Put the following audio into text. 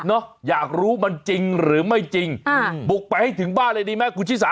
อยากรู้มันจริงหรือไม่จริงอ่าบุกไปให้ถึงบ้านเลยดีไหมคุณชิสา